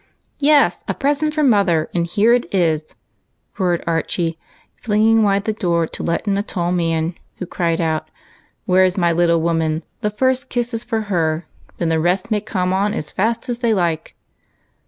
" Yes; a present for mother, and here it is !" roared Archie, flinging wide the door to let in a tall man who cried out, —" Where 's my little woman ? The first kiss for her, then the rest may come on as fast as they like."